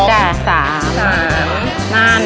พี่ดาขายดอกบัวมาตั้งแต่อายุ๑๐กว่าขวบ